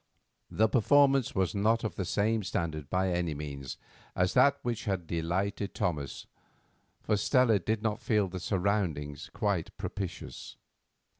The performance was not of the same standard, by any means, as that which had delighted Thomas, for Stella did not feel the surroundings quite propitious.